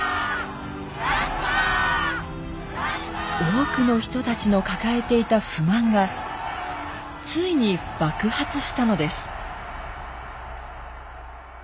多くの人たちの抱えていた不満がついに爆発したのです。